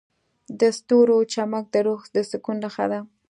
د ستورو چمک د روح د سکون نښه ده.